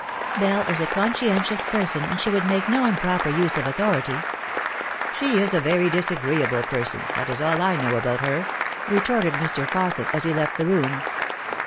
" Bell is a conscientious person, and she would make no im proper use of authority." " She is a very disagreeable person. That is all I know about her," retorted Mr. Fausset, as he left the room.